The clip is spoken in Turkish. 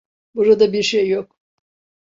Burada bir şey yok.